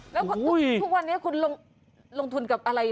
แล้วทุกวันนี้คุณลงทุนกับอะไร